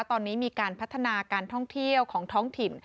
ตอนนี้มีการพัฒนาการท่องเที่ยวของท้องถิ่น